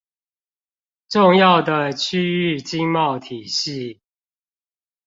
重要的區域經貿體系